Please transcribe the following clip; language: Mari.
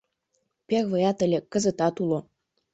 Первыят ыле, кызытат уло